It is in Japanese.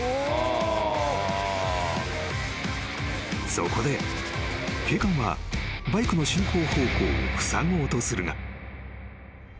［そこで警官はバイクの進行方向をふさごうとするが］